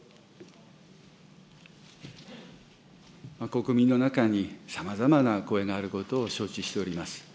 国民の中にさまざまな声があることを承知しております。